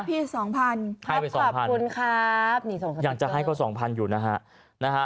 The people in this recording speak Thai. พี่สองพันครับขอบคุณครับยังจะให้เขาสองพันอยู่นะฮะนะฮะ